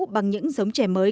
bằng những giống trè mới